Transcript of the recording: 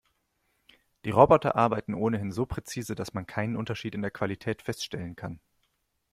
Die Roboter arbeiten ohnehin so präzise, dass man keinen Unterschied in der Qualität feststellen kann.